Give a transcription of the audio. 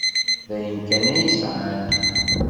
D ayen kan ay sɛan.